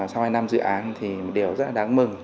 sau hai năm dự án thì điều rất là đáng mừng